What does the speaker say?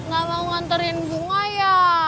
gak mau nganterin bunga ya